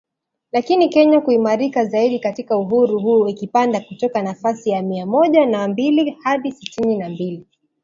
lakini Kenya kuimarika zaidi katika uhuru huo ikipanda kutoka nafasi ya mia moja na mbili hadi sitini na mbili